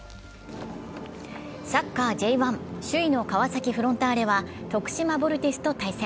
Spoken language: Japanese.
サッカーＪ１、首位の川崎フロンターレは徳島ヴォルティスと対戦。